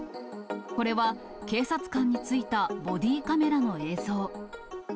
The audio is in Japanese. これは警察官についたボディーカメラの映像。